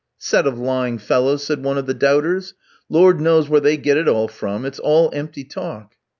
"Set of lying fellows!" said one of the doubters. "Lord knows where they get it all from; it's all empty talk."